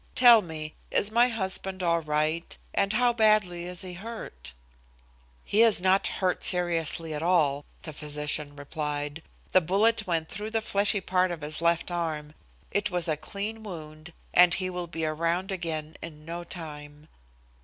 Tell me, is my husband all right, and how badly is he hurt?" "He is not hurt seriously at all," the physician replied. "The bullet went through the fleshy part of his left arm. It was a clean wound, and he will be around again in no time."